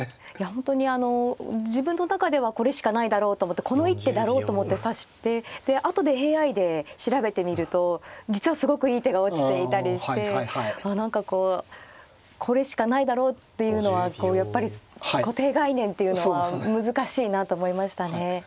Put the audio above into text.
本当にあの自分の中ではこれしかないだろうと思ってこの一手だろうと思って指してで後でＡＩで調べてみると実はすごくいい手が落ちていたりして何かこうこれしかないだろうっていうのはやっぱり固定概念っていうのは難しいなと思いましたね。